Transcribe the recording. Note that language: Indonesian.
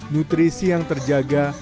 nutrisi yang terjaga